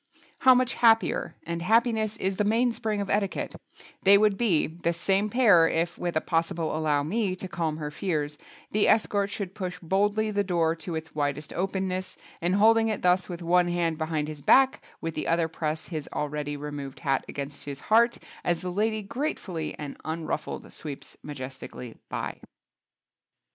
How much happier—and happiness is the mainspring of etiquette—they would be, this same pair, if (with a possible "allow me" to calm her fears) the escort should push boldly the door to its widest openness and holding it thus with one hand behind his back, with the other press his already removed hat against his heart as the lady grateful and unruffled sweeps majestically by.